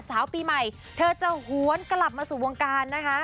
สาวปีใหม่เธอจะหวนกลับมาสู่วงการนะคะ